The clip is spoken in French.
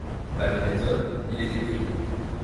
Malhonnête homme, il était pris.